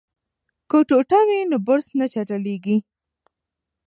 که ټوټه وي نو برس نه چټلیږي.